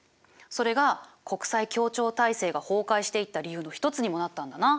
それが国際協調体制が崩壊していった理由の一つにもなったんだな。